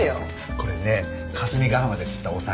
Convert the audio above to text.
これね霞ヶ浜で釣ったお魚。